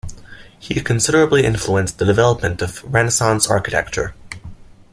He considerably influenced the development of Renaissance architecture.